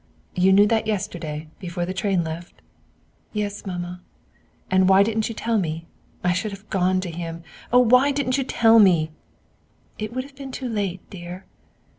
"You knew that yesterday before the train left?" "Yes, Mamma." "And why didn't you tell me? I should have gone to him. Oh, why didn't you tell me?" "It would have been too late, dear."